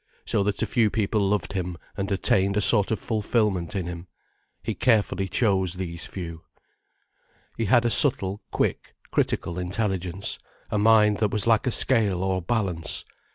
So that a few people loved him and attained a sort of fulfilment in him. He carefully chose these few. He had a subtle, quick, critical intelligence, a mind that was like a scale or balance.